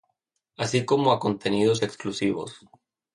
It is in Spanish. Así como a contenidos exclusivos.